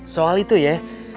soal itu ya